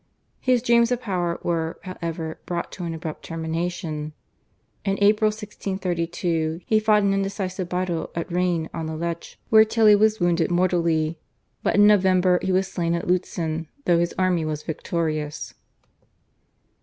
His dreams of power were, however, brought to an abrupt termination. In April 1632 he fought an indecisive battle at Rain on the Lech, where Tilly was wounded mortally, but in November he was slain at Lutzen though his army was victorious.